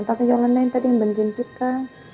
tante yolanda yang tadi yang banjirin kita